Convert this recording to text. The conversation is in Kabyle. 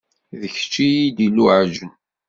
D kečč i yi-d-iluɛjen.